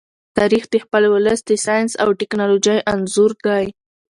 تاریخ د خپل ولس د ساینس او ټیکنالوژۍ انځور دی.